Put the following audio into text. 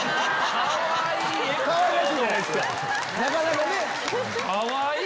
かわいい！